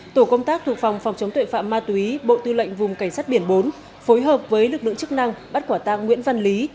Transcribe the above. tổ công tác thuộc phòng phòng chống tội phạm ma túy bộ tư lệnh vùng cảnh sát biển bốn phối hợp với lực lượng chức năng bắt quả tang nguyễn văn lý